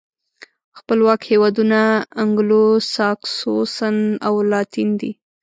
خپلواک هېوادونه انګلو ساکسوسن او لاتین دي.